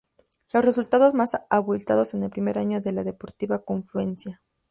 Los resultados más abultados en el primer año del la Deportiva Confluencia.